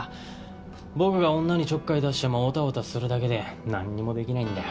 僕が女にちょっかい出してもオタオタするだけでなんにも出来ないんだよ。